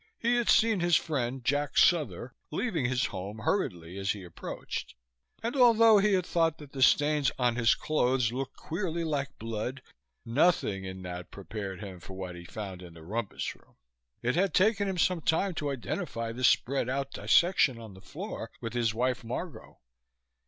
He had seen his friend, Jack Souther, leaving his home hurriedly as he approached; and although he had thought that the stains on his clothes looked queerly like blood, nothing in that prepared him for what he found in the rumpus room. It had taken him some time to identify the spread out dissection on the floor with his wife Margot....